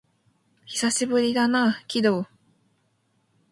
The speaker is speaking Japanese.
久しぶりだな、鬼道